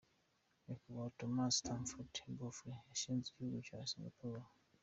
Nyakubahwa Thomas Stamford Raffles yashinze igihugu cya Singapore.